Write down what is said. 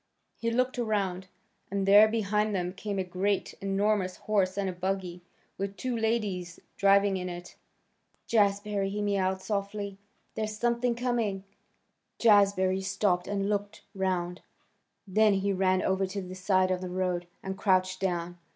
He looked around, and there behind them came a great, enormous horse and a buggy, with two ladies driving in it. "Jazbury," he mewed softly, "there's something coming." Jazbury stopped and looked round. Then he ran over to the side of the road, and crouched down.